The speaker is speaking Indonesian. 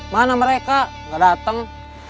mana mereka nggak datang